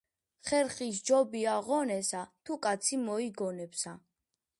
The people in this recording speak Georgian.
ხერხი სჯობია ღონესა თუ კაცი მოიგონებსა